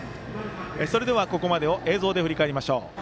それでは、ここまでを映像で振り返りましょう。